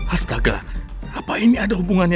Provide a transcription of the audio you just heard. astaga apa ini ada hubungannya